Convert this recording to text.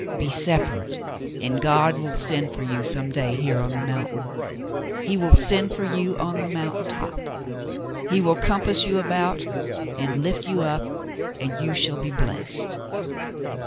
Be separate, and God will send for you some day here on the mountain. He will send for you on the mountain top. He will compass you about and lift you up and you shall be blessed.